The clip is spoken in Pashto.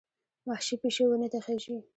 وحشي پیشو ونې ته خېژي.